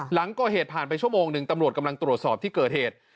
หลังก่อเหตุผ่านไปชั่วโมงหนึ่งตำรวจกำลังตรวจสอบที่เกิดเหตุ